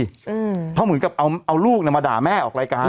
เพราะเหมือนกับเอาลูกมาด่าแม่ออกรายการ